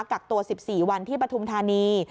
กักตัว๑๔วันที่ปฐุมธานี